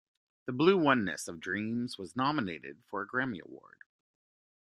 The "Blue Oneness of Dreams" was nominated for a Grammy Award.